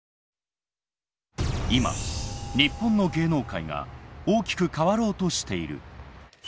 今日本の芸能界が大きく変わろうとしている。